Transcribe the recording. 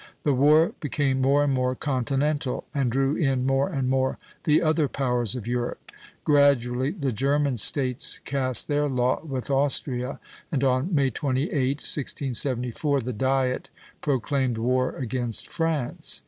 The war became more and more continental, and drew in more and more the other powers of Europe. Gradually the German States cast their lot with Austria, and on May 28, 1674, the Diet proclaimed war against France.